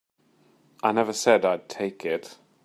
I never said I'd take it.